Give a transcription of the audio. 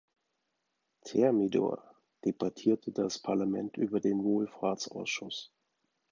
Thermidor, debattierte das Parlament über den Wohlfahrtsausschuss.